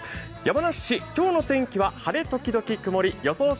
山梨市今日の天気は晴れ時々曇り予想